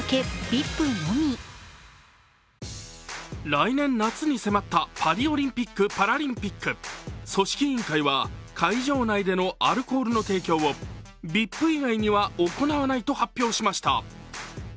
来年夏に迫ったパリオリンピック・パラリンピック組織委員会は、会場内でのアルコールの提供をＶＩＰ以外には行わないと発表しました。